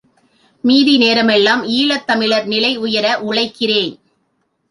மீதி நேரமெல்லாம் ஈழத் தமிழர் நிலை உயர உழைக்கிறேன்.